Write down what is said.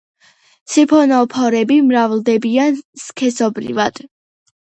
სიფონოფორები მრავლდებიან სქესობრივად.